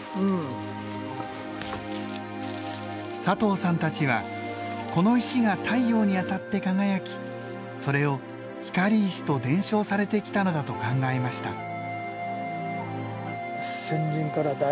佐藤さんたちはこの石が太陽に当たって輝きそれを光石と伝承されてきたのだと考えました。